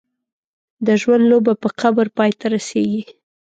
د ژوند لوبه په قبر پای ته رسېږي.